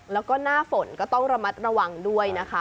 แล้วก็หน้าฝนก็ต้องระมัดระวังด้วยนะคะ